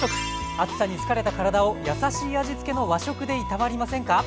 暑さに疲れた体をやさしい味つけの和食でいたわりませんか？